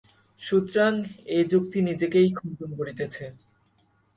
সুতরাং এ যুক্তি নিজেকেই খণ্ডন করিতেছে।